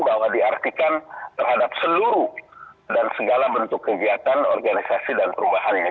bahwa diartikan terhadap seluruh dan segala bentuk kegiatan organisasi dan perubahannya